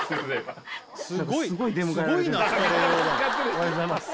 おはようございます。